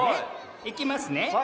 いきます！